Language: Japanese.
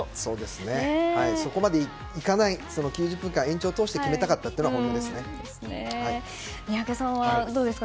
そこまでいかないで９０分間、延長を通して決めたかったというのが宮家さんはどうですか？